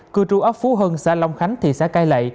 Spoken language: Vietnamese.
cư tru ốc phú hưng xã long khánh thị xã cai lệ